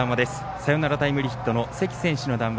サヨナラタイムリーヒット関選手の談話